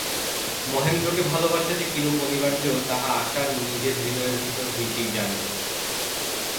মহেন্দ্রকে ভালোবাসা যে কিরূপ অনিবার্য, আশা তাহা নিজের হৃদয়ের ভিতর হইতেই জানে।